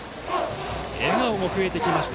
笑顔も増えてきました